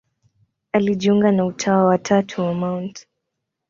Alijiunga na Utawa wa Tatu wa Mt.